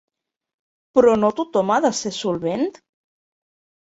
Però no tothom ha de ser solvent?